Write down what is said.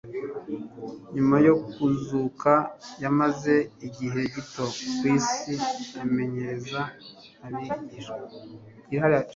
Nyuma yo kuzuka yamaze igihe gito ku isi amenyereza abigishwa be